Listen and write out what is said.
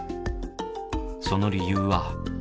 その理由は。